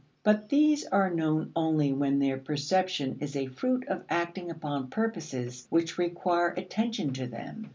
But these are known only when their perception is a fruit of acting upon purposes which require attention to them.